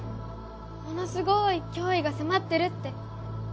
ものすごい脅威が迫ってるって。